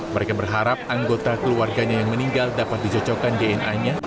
mereka berharap anggota keluarganya yang meninggal dapat dicocokkan dna nya